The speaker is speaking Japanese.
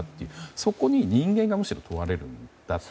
そこに人間が問われるんだと。